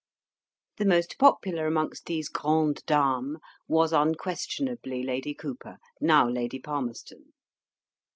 The most popular amongst these grandes dames was unquestionably Lady Cowper, now Lady Palmerston.